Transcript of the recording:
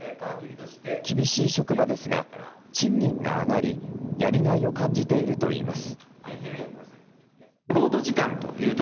厳しい職場ですが、賃金が上がり、やりがいを感じているといいます。